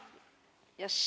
よし！